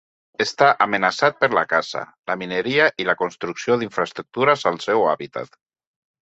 Està amenaçat per la caça, la mineria i la construcció d'infraestructures al seu hàbitat.